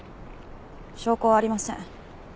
証拠はありません。